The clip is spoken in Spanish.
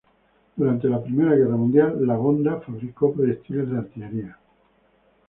Durante la Primera Guerra Mundial Lagonda fabricó proyectiles de artillería.